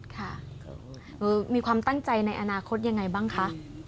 ค่ะมีความตั้งใจในอนาคตยังไงบ้างคะ